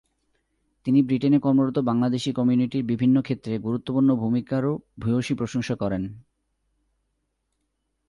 তিনি ব্রিটেনে কর্মরত বাংলাদেশি কমিউনিটির বিভিন্ন ক্ষেত্রে গুরুত্বপূর্ণ ভূমিকারও ভূয়সী প্রশংসা করেন।